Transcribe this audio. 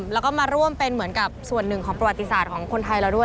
แล้วก็มาร่วมเป็นเหมือนกับส่วนหนึ่งของประวัติศาสตร์ของคนไทยเราด้วย